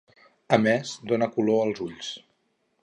A més, dóna color als ulls.